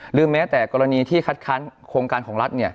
หรือแม้แต่กรณีที่คัดค้านโครงการของรัฐ